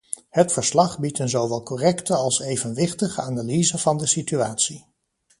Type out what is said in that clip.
Het verslag biedt een zowel correcte als evenwichtige analyse van de situatie.